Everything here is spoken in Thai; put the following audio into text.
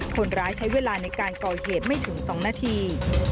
คนร้ายใช้เวลาในการก่อเหตุไม่ถึง๒นาที